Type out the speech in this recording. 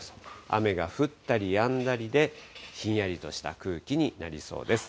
雨が降ったりやんだりで、ひんやりとした空気になりそうです。